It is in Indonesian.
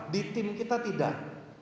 di tim kita tidak